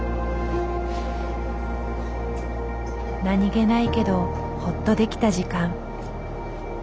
何気ないけどホッとできた時間。